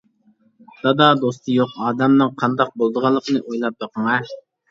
-دادا، دوستى يوق ئادەمنىڭ قانداق بولىدىغانلىقىنى ئويلاپ بېقىڭا.